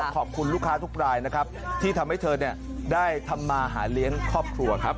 ขอบคุณลูกค้าทุกรายนะครับที่ทำให้เธอได้ทำมาหาเลี้ยงครอบครัวครับ